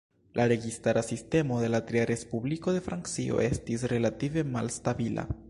La registara sistemo de la Tria Respubliko de Francio estis relative malstabila.